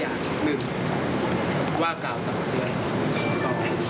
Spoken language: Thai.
๑ว่ากล่าวต่อเตือน๒ทำภาพคัน๓ใช้ใบอนุญาต